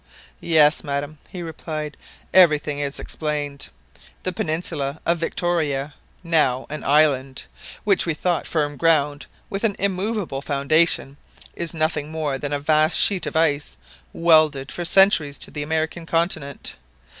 "Yes, madam," he replied, "everything is explained. The peninsula of Victoria, now an island, which we thought firm ground with an immovable foundation, is nothing more than a vast sheet of ice welded for centuries to the American continent.